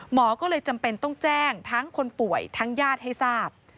หมอก็เลยจำเป็นต้องแจ้งทั้งคนป่วยทั้งญาติให้ทราบ